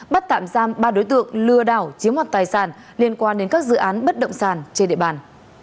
bắt tạm giam ba đối tượng lừa đảo chiếm hoạt tài sản liên quan đến các dự án bất động sản trên địa bàn